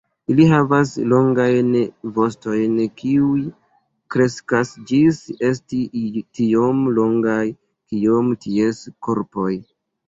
Ili havas longajn vostojn kiuj kreskas ĝis esti tiom longaj kiom ties korpoj.